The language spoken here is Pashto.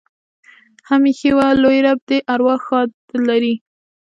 هم ایښي وه. لوى رب دې ارواح ښاده لري.